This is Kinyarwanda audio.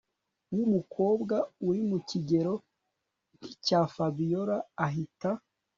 wumukobwa urimukigero nkicya Fabiora ahita